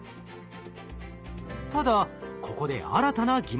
ただここで新たな疑問が。